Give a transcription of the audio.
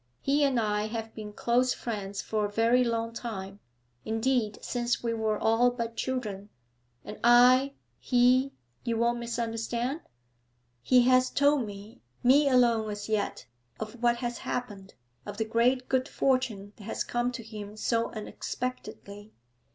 'He and I have been close friends for a very long time, indeed since we were all but children, and I he you won't misunderstand? He has told me me alone as yet of what has happened, of the great good fortune that has come to him so unexpectedly.